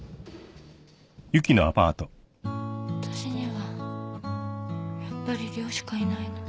わたしにはやっぱり涼しかいないの。